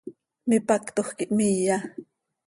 Mipactoj quih hmiya.